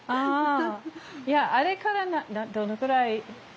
いやあれからどのくらい？